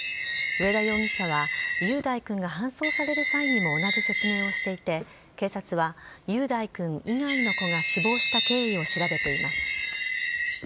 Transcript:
上田容疑者は雄大君が搬送される際にも同じ説明をしていて警察は、雄大君以外の子が死亡した経緯を調べています。